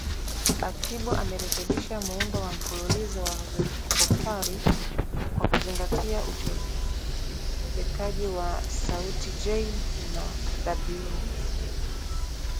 Batibo amerekebisha muundo wa mfululizo wa vokali kwa kuzingatia uchopekaji wa sauti ''j'' na ''w''